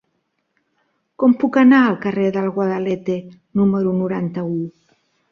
Com puc anar al carrer del Guadalete número noranta-u?